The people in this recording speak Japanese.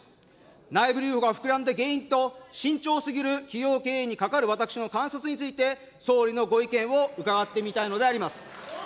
内部留保が膨らんだ原因と、慎重すぎる企業経営にかかわる私の観察について、総理のご意見を伺ってみたいのであります。